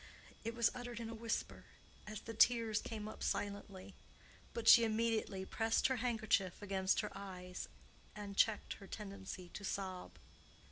It was uttered in a whisper, as the tears came up silently. But she immediately pressed her handkerchief against her eyes, and checked her tendency to sob.